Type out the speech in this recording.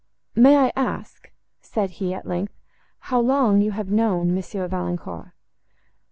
"May I ask," said he, at length, "how long you have known Monsieur Valancourt?"